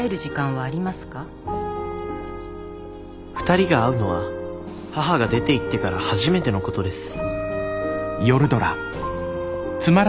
２人が会うのは母が出ていってから初めてのことです